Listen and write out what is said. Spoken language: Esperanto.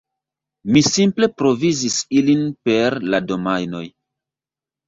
Mi simple provizis ilin per la domajnoj.